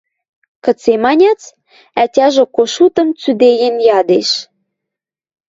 Кыце маньыц? – ӓтяжӹ Кошутым цӱдеен ядеш.